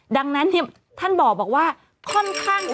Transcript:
ดังนั้นท่านบอกว่าค่อนข้าง